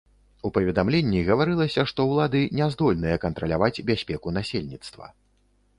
У паведамленні гаварылася, што ўлады не здольныя кантраляваць бяспеку насельніцтва.